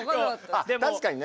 あ確かにね